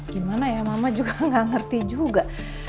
gimana ya mama juga nggak ngerti juga